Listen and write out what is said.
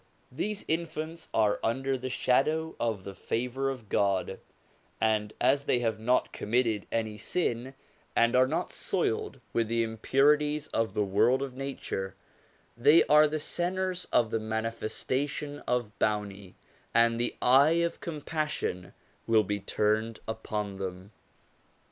These infants are under the shadow of the favour of God; and as they have not committed any sin, and are not soiled with the impurities of the world of nature, they are the centres of the manifestation of bounty, and the Eye of Compassion will be turned upon them.